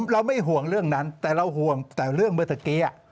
เราไม่ห่วงเรื่องนั้นแต่เรื่องเมื่อเมื่อกี้